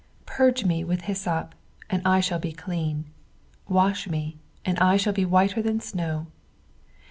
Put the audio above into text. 7 Purge me with hyssop, and I shall be clean : wash me, and I shall be whiter than snow.